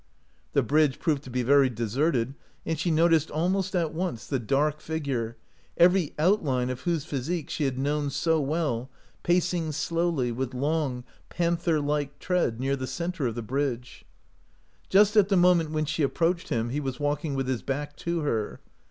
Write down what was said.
The bridge proved to be very deserted, and she noticed almost at once the dark figure, every outline of whose physique she had known so well, pacing slowly, with long, panther like tread, near the center of the bridge. Just at the moment when she ap proached him he was walking with his back to her.